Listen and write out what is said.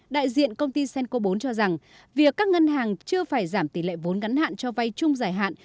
đại diện công ty senco bốn cho rằng việc các ngân hàng chưa phải giảm tỷ lệ vốn ngắn hạn cho vay chung giải hạn